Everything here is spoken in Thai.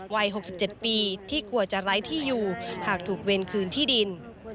วัย๖๗ปีที่กลัวจะไร้ที่อยู่หากถูกเวรคืนที่ดิน